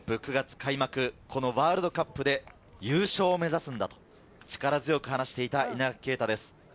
ワールドカップは９月開幕、ワールドカップで優勝を目指すんだと力強く話していた稲垣啓太です。